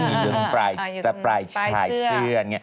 นี่จนปลายชายเสื้อ